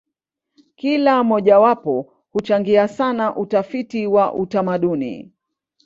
Kila mojawapo huchangia sana utafiti wa utamaduni.